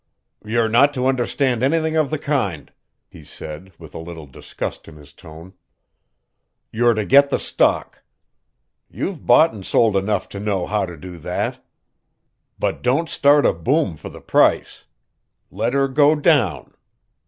"You're not to understand anything of the kind," he said, with a little disgust in his tone. "You're to get the stock. You've bought and sold enough to know how to do that. But don't start a boom for the price. Let her go down.